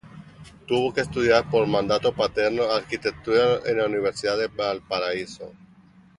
Tuvo que estudiar, por mandato paterno, arquitectura en la Universidad de Valparaíso.